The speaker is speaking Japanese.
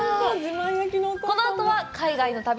このあとは海外の旅。